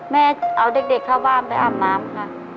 แม่เอาเด็กเข้าบ้านไปอาบน้ำค่ะ